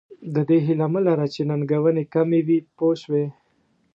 د دې هیله مه لره چې ننګونې کم وي پوه شوې!.